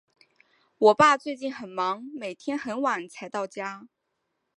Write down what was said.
我爸最近很忙，每天很晚才回到家。